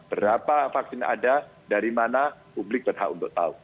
berapa vaksin ada dari mana publik berhak untuk tahu